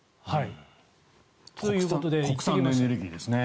国産のエネルギーですね。